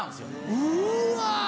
うわ！